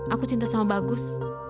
aku cinta sama bagus